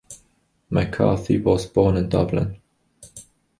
McCarthy was born in Dublin.